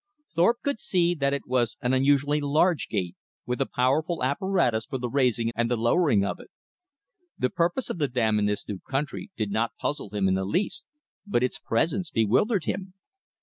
Thorpe could see that it was an unusually large gate, with a powerful apparatus for the raising and the lowering of it. The purpose of the dam in this new country did not puzzle him in the least, but its presence bewildered him.